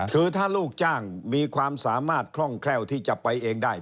คือถ้าลูกจ้างมีความสามารถคล่องแคล่วที่จะไปเองได้